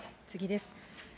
次です。